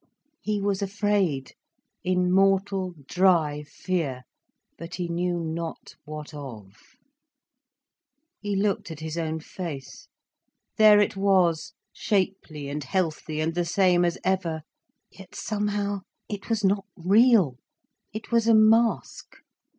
He was afraid, in mortal dry fear, but he knew not what of. He looked at his own face. There it was, shapely and healthy and the same as ever, yet somehow, it was not real, it was a mask.